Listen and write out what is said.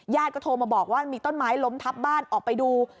ก็โทรมาบอกว่ามีต้นไม้ล้มทับบ้านออกไปดู